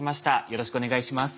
よろしくお願いします。